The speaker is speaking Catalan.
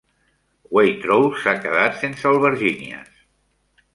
Waitrose s'ha quedat sense albergínies.